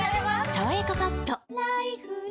「さわやかパッド」